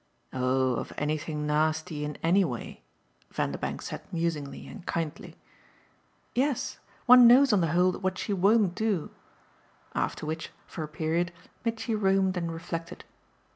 "Oh of anything nasty in any way," Vanderbank said musingly and kindly. "Yes; one knows on the whole what she WON'T do." After which, for a period, Mitchy roamed and reflected.